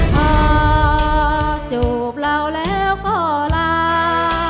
พอจูบเราแล้วก็ลา